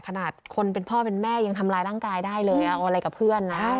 ขนาดคนเป็นพ่อเป็นแม่ยังทำร้ายร่างกายได้เลยเอาอะไรกับเพื่อนนะ